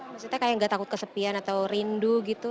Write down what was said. maksudnya kayak nggak takut kesepian atau rindu gitu